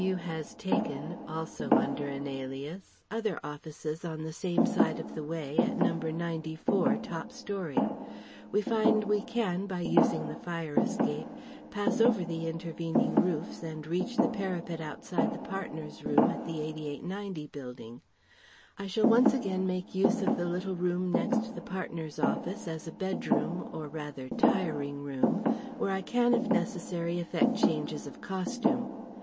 U. has taken also under an alias other offices on the same side of the way, at No. 94, top storey. We find we can, by using the fire escape, pass over the intervening roofs and reach the parapet outside the "partners' room" at the 88 90 building. I shall once again make use of the little room next the partners' office as a bedroom or rather, "tiring" room, where I can if necessary effect changes of costume.